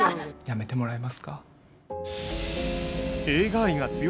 辞めてもらえますか。